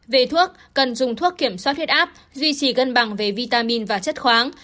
về thuốc cần dùng thuốc kiểm soát huyết áp duy trì cân bằng về vitamin và chất khoáng